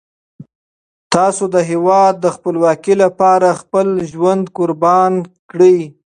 تاسو د هیواد د خپلواکۍ لپاره خپل ژوند قربان کړئ.